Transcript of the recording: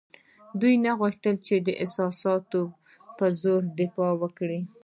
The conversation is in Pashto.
دوی نه غوښتل چې د احساساتو په زور دفاع وکړي.